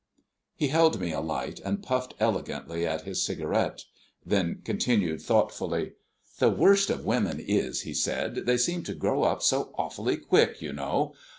He held me a light, and puffed elegantly at his cigarette. Then continued thoughtfully: "The worst of women is," he said, "they seem to grow up so awfully quick, you know.